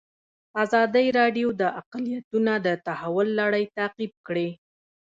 ازادي راډیو د اقلیتونه د تحول لړۍ تعقیب کړې.